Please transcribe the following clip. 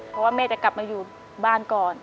เพราะว่าแม่จะกลับมาอยู่บ้านก่อน